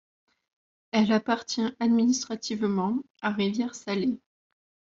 Elle appartient administrativement à Rivière-Salée.